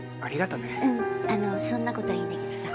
うんあのそんなことはいいんだけどさ。